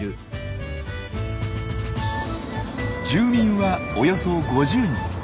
住民はおよそ５０人。